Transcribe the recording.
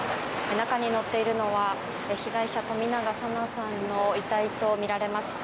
中に乗っているのは被害者、冨永紗菜さんの遺体とみられます。